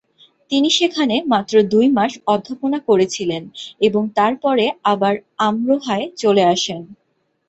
তিনি সেখানে মাত্র দুই মাস অধ্যাপনা করেছিলেন এবং তারপরে আবার আমরোহায় চলে আসেন।